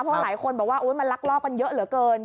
เพราะหลายคนบอกว่ามันลักลอบกันเยอะเหลือเกิน